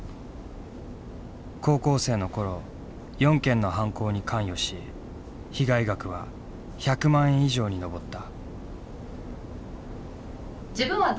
高校生の頃４件の犯行に関与し被害額は１００万円以上に上った。